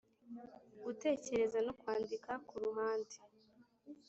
Gutekereza no kwandika ku ruhande